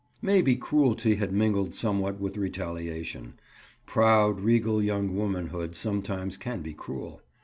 Maybe cruelty had mingled somewhat with retaliation. Proud, regal young womanhood sometimes can be cruel.